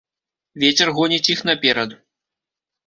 Вецер гоніць іх наперад.